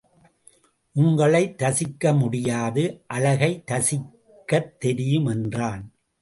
உங்களை ரசிக்க முடியாது அழகை ரசிக்கத் தெரியும் என்றான்.